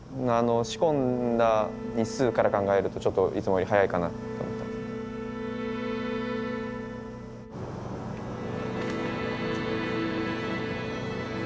仕込んだ日数から考えるとちょっといつもより早いかなって思ってます。